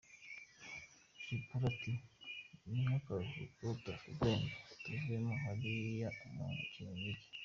Jay Polly ati “Ni nk’akaruhuko Tuff Gang tuvuyemo hariya mu Kinigi.